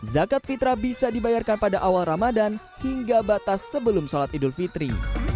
zakat fitrah bisa dibayarkan pada awal ramadan hingga batas sebelum sholat idul fitri